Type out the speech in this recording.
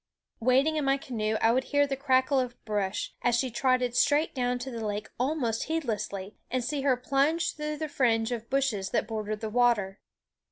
Waiting in my canoe I would hear the crackle of brush, as she trotted straight down to the lake almost heedlessly, and see her plunge through the fringe of bushes that bordered the water.